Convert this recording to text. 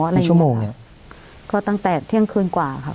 กี่ชั่วโมงก็ตั้งแต่เที่ยงคืนกว่าฯค่ะ